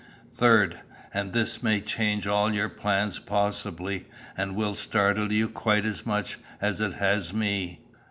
"3rd. And this may change all your plans possibly, and will startle you quite as much as it has me.